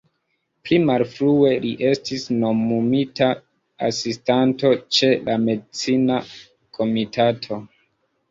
Pli malfrue, li estis nomumita Asistanto ĉe la Medicina Komitato.